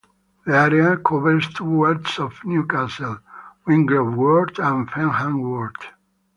The area covers two wards of Newcastle: Wingrove Ward, and Fenham Ward.